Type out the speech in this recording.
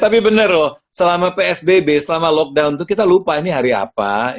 tapi bener loh selama psbb selama lockdown itu kita lupa ini hari apa